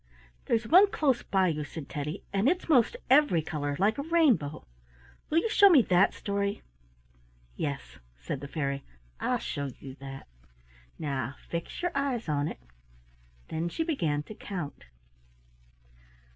"There's one close by you," said Teddy, "and it's most every color, like a rainbow. Will you show me that story?" "Yes," said the fairy, "I'll show you that. Now fix your eyes on it." Then she began to count.